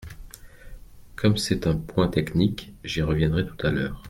Comme c’est un point technique, j’y reviendrai tout à l’heure.